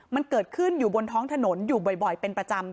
มันเกิดขึ้นอยู่บนท้องถนนอยู่บ่อยเป็นประจำ